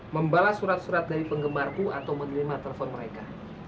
membalas surat surat dari penggemarku atau menerima telepon mereka